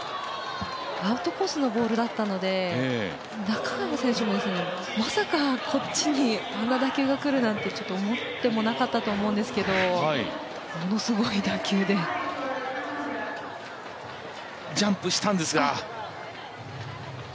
アウトコースのボールだったので中川選手も、まさかこっちにあんな打球がくるなんて思ってもなかったと思うんですがものすごい打球でジャンプしたんですが。